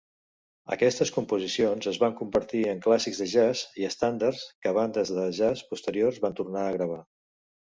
Aquestes composicions es van convertir en clàssics de jazz i estàndards que bandes de jazz posteriors van tornar a gravar.